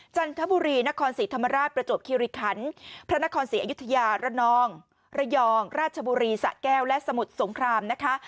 จันทบุรีนครศรีธรรมราชประจวบคิริคันพระนครศรีอยุธยาระนองระยองราชบุรีสะแก้วและสมุทรสงครามนะคะ